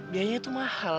biayanya tuh mahal